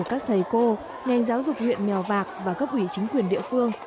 các thầy cô ngành giáo dục huyện mèo vạc và các quỷ chính quyền địa phương